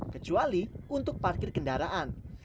kecuali untuk parkir kendaraan